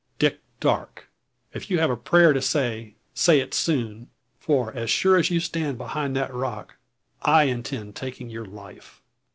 Dick Darke! if you have a prayer to say, say it soon; for sure as you stand behind that rock, I intend taking your life."